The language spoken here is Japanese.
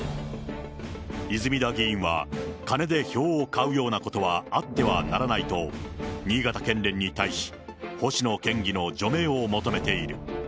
泉田議員は、金で票を買うようなことはあってはならないと、新潟県連に対し、星野県議の除名を求めている。